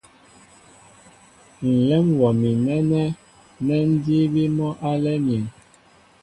Ǹlə́ ḿ wɔ mi nɛ́nɛ́ nɛ́ ńdííbí mɔ́ álɛ́ɛ́ myēŋ.